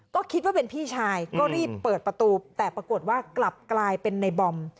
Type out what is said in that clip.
ก็คิดว่าเป็นพี่ชายก็รีบเปิดประตูแต่ปรากฏว่ากลับกลายเป็นในบอม